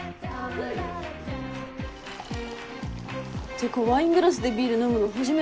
てかワイングラスでビール飲むの初めて。